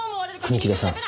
国木田さん